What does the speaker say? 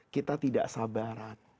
kita tidak sabaran